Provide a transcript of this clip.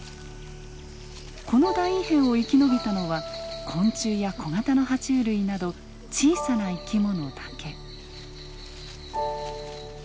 この大異変を生き延びたのは昆虫や小型のは虫類など小さな生き物だけ。